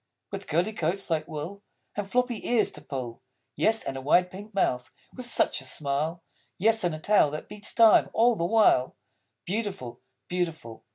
With curly coats, like wool; And floppy ears to pull; Yes, and a wide pink mouth, with such a Smile! Yes, and a Tail that beats time all the while; Beautiful, Beautiful!